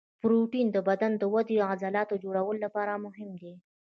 پروټین د بدن د ودې او د عضلاتو د جوړولو لپاره مهم دی